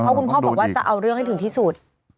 เพราะคุณพ่อบอกว่าจะเอาเรื่องให้ถึงที่สุด